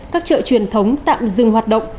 các chợ truyền thống tạm dừng hoạt động